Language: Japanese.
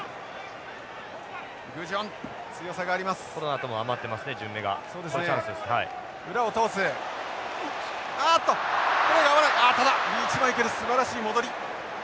あっただリーチマイケルすばらしい戻り。